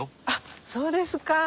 あっそうですか。